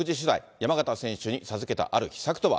山縣選手に授けたある秘策とは。